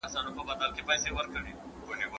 ایا لارښود له شاګرد سره ګام پر ګام ځي؟